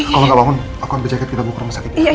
kalau nggak bangun aku ambil jacket kita buka rumah sakit